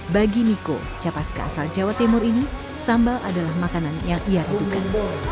bagi miko capaska asal jawa timur ini sambal adalah makanan yang ia rindukan